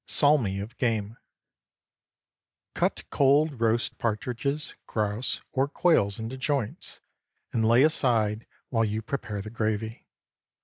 SALMI OF GAME. Cut cold roast partridges, grouse, or quails into joints, and lay aside while you prepare the gravy.